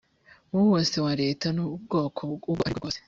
wo wose wa leta w ubwoko ubwo ari bwo bwose